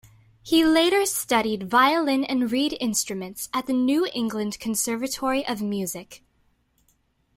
He later studied violin and reed instruments at the New England Conservatory of Music.